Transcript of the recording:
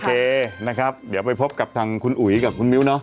เคนะครับเดี๋ยวไปพบกับทางคุณอุ๋ยกับคุณมิ้วเนอ